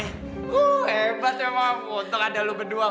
hebat emang untung ada lo berdua